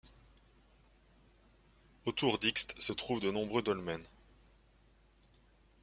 Autour d'Eext se trouvent de nombreux dolmens.